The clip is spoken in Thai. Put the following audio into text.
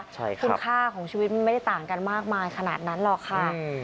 คุณค่าของชีวิตมันไม่ได้ต่างกันมากมายขนาดนั้นหรอกค่ะ